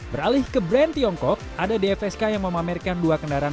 beralih ke brand tiongkok ada dfsk yang memamerkan dua kendaraan